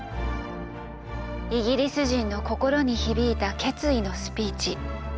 イギリス人の心に響いた決意のスピーチ。